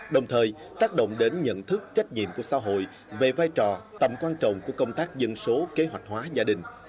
đồng thời tác động đến nhận thức trách nhiệm của xã hội về vai trò tầm quan trọng của công tác dân số kế hoạch hóa gia đình